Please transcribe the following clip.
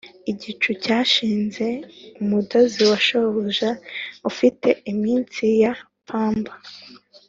igicu cyashinze umudozi wa shobuja ufite imitsi ya pamba.